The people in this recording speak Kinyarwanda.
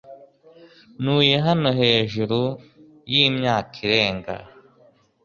Ntuye hano hejuru yimyaka irenga .